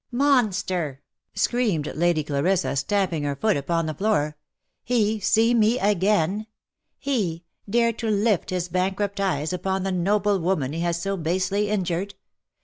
" Monster !" screamed Lady Clarissa stamping her foot upon the floor, " he, see me again ? he, dare to lift his bankrupt eyes upon the noble woman he has so basely injured ?